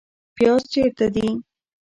پیاز چیرته دي؟